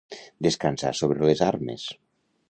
Descansar sobre les armes.